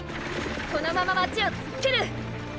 このまま街を突っ切る！